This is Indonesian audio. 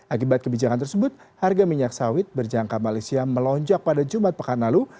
akibat kebijakan tersebut harga minyak sawit berjangka malaysia melonjak pada jumat pekan lalu